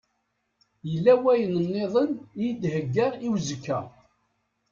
Yella wayen-nniḍen i d-heggaɣ i uzekka.